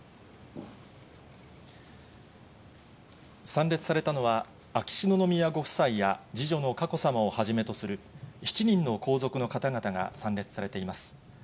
参列されたのは、秋篠宮ご夫妻や次女の佳子さまをはじめとする７人の皇族の方々が参列されています。